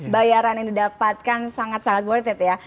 bayaran yang didapatkan sangat sangat worth it ya